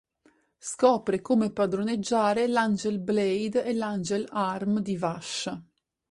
Scopre come padroneggiare l’"Angel Blade" e l’"Angel Arm" di Vash.